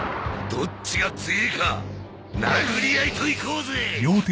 どっちが強えか殴り合いといこうぜ！